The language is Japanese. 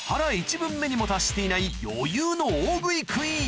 分目にも達していない余裕の大食いクイーン